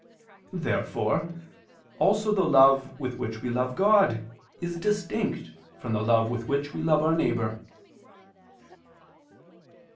Therefore also the love with which we love God, is distinct from the love with which we love our neighbor.